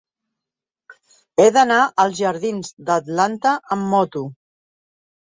He d'anar als jardins d'Atlanta amb moto.